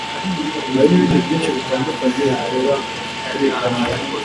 hari n'ibindi byinshi bitandukanye bitera kuribwa mu nda